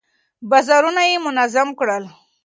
بازارونه يې منظم کړل.